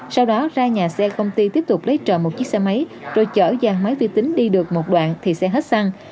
sau đó ra nhà xe công ty tiếp tục lấy trộm một chiếc xe máy rồi chở vàng máy vi tính đi được một đoạn thì xe hết xăng